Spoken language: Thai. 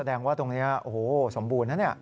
แสดงว่าตรงนี้โอ้โหสมบูรณ์นะเนี่ย